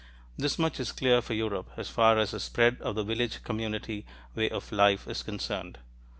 This much is clear for Europe, as far as the spread of the village community way of life is concerned.